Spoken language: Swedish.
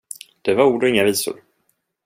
Det var ord och inga visor.